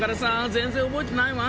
全然覚えてないわ。